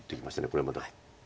これはまた。